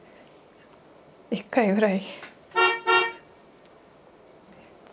１回ぐらい。